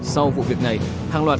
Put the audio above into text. sau vụ việc này hàng loạt